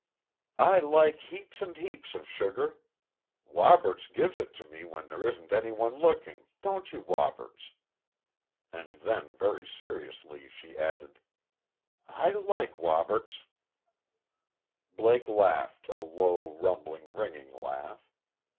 "I like heaps and heaps of sugar.... Woberts gives it to me when there isn't anyone looking, don't you, Woberts?" And then, very seriously, she added, "I like Woberts" Blake laughed, a low, rumbling, ringing laugh.